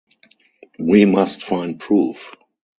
We must find proof.